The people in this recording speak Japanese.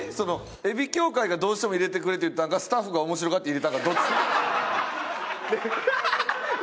海老協会がどうしても入れてくれって言ったんかスタッフが面白がって入れたんかどっち？